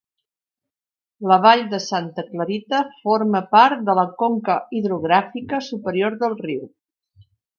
La vall de Santa Clarita forma part de la conca hidrogràfica superior del riu.